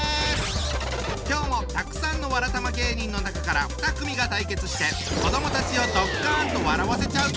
今日もたくさんのわらたま芸人の中から２組が対決して子どもたちをドッカンと笑わせちゃうぞ！